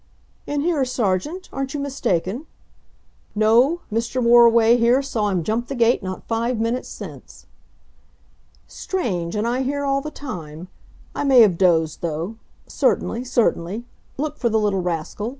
"In here, Sergeant? Aren't you mistaken?" "No; Mr. Moriway here saw him jump the gate not five minutes since." "Strange, and I here all the time! I may have dozed of, though. Certainly certainly. Look for the little rascal.